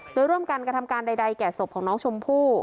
โดยร่วมกันกระทำการใดแก่ศพของน้องชมพู่